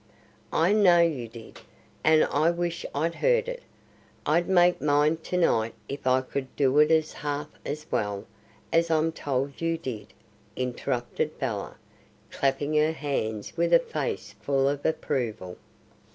"I know you did, and I wish I'd heard it. I'd make mine to night if I could do it half as well as I'm told you did," interrupted Bella, clapping her hands with a face full of approval.